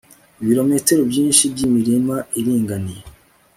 ibirometero byinshi by'imirima iringaniye